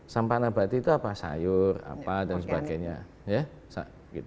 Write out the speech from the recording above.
sampah nabati itu apa sayur apa dan sebagainya